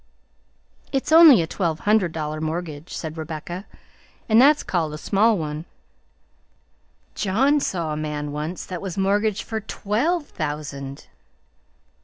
"It's only a twelve hundred dollar mortgage," said Rebecca, "and that's called a small one. John saw a man once that was mortgaged for twelve thousand."